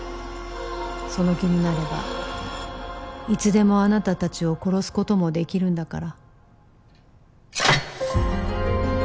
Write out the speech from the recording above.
その気になればいつでもあなた達を殺すことも出来るんだから